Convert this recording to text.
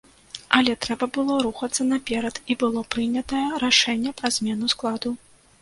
Але трэба было рухацца наперад, і было прынятае рашэнне пра змену складу.